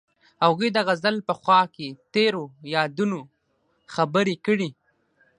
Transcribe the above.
هغوی د غزل په خوا کې تیرو یادونو خبرې کړې.